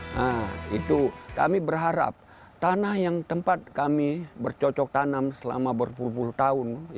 nah itu kami berharap tanah yang tempat kami bercocok tanam selama berpuluh puluh tahun